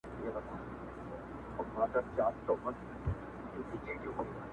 که ستا چيري اجازه وي محترمه،